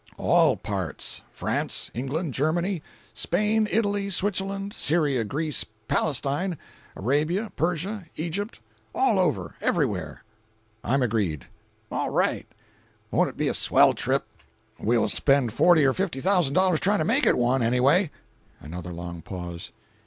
"All parts. France, England, Germany—Spain, Italy, Switzerland, Syria, Greece, Palestine, Arabia, Persia, Egypt—all over—everywhere." "I'm agreed." "All right." "Won't it be a swell trip!" "We'll spend forty or fifty thousand dollars trying to make it one, anyway." Another long pause.